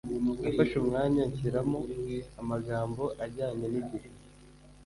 nafashe umwanya nshyiramo amagambo ajyanye n’igihe